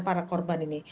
pada para korban ini